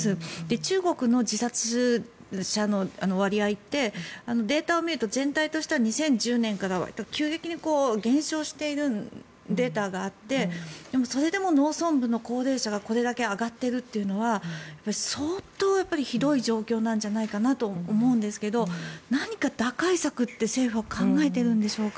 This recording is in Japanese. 中国の自殺者の割合ってデータを見ると全体としては２０１０年から急激に減少しているデータがあってでもそれでも農村部の高齢者がこれだけ上がっているというのは相当ひどい状況なんじゃないかなと思うんですが何か打開策って政府は考えてるんでしょうか？